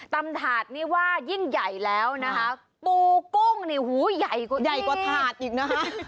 ตำถาดนี่ว่ายิ่งใหญ่แล้วนะครับปูกุ้งเนี่ยหูใหญ่กว่าทาดอีกนะฮะ